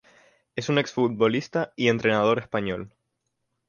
Es un exfutbolista y entrenador español.